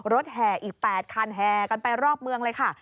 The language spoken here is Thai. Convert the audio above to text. แห่อีก๘คันแห่กันไปรอบเมืองเลยค่ะ